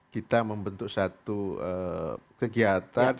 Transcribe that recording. kita membentuk satu kegiatan